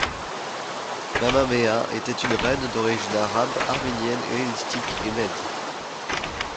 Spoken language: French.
Mamaea était une reine d'origine Arabe, Arménienne, Hellénistique et Mède.